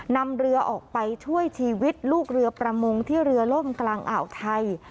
นำเรือออกไปช่วยชีวิตลูกเรือประมงที่เรือล่มกลางอ่าวไทย